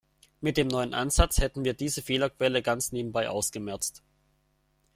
Mit dem neuen Ansatz hätten wir diese Fehlerquelle ganz nebenbei ausgemerzt.